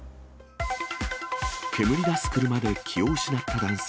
煙出す車で気を失った男性。